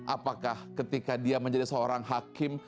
apakah ketika dia menjadi seorang hakim